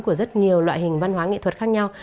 của rất nhiều loại hình văn hóa nghệ thuật khác nhau